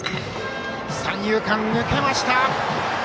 三遊間を抜けました。